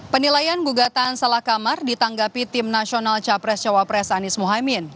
penilaian gugatan salah kamar ditanggapi tim nasional capres cawapres anies mohaimin